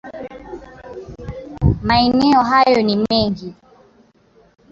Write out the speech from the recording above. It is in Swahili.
Maeneo hayo ni mengi